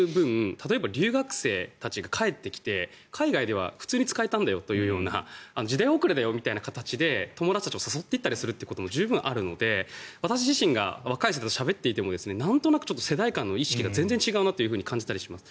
例えば留学生たちが帰ってきて海外では普通に使えたんだよというような時代遅れだよみたいな形で友達たちを誘っていくのも十分あるので私自身が若い世代としゃべっていてもなんとなく世代間の意識が全然違うなと感じたりします。